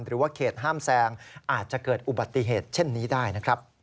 หรือว่าเขตห้ามแซงอาจจะเกิดอุบัติเหตุเช่นนี้ได้นะครับ